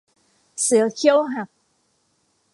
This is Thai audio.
เสือเขี้ยวหัก